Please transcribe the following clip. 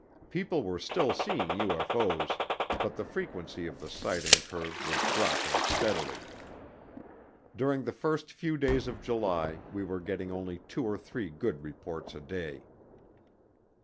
People were still seeing UFO's but the frequency of the sighting curve was dropping steadily. During the first few days of July we were getting only two or three good reports a day.